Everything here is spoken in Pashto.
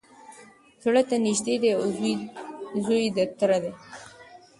زړه ته نیژدې دی او زوی د تره دی